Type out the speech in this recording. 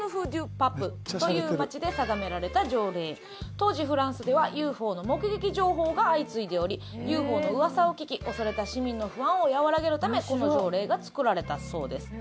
当時フランスではＵＦＯの目撃情報が相次いでおりＵＦＯの噂を聞き恐れた市民の不安を和らげるためこの条例が作られたそうです。